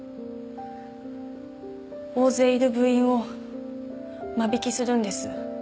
大勢いる部員を間引きするんです